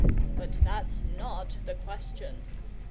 But that's not the question.